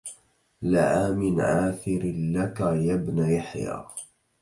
لعا من عاثر لك يا ابن يحيى